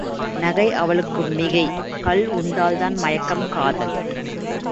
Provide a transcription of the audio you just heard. நகை அவளுக்கு மிகை. கள் உண்டால்தான் மயக்கும் காதல்!